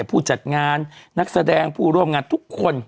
ผู้จัดงานนักแสดงผู้ร่วมงานทุกคน